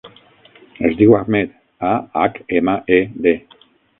Es diu Ahmed: a, hac, ema, e, de.